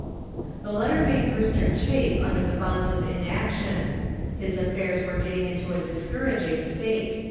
The letter made Brewster chafe under the bonds of inaction. His affairs were getting into a discouraging state.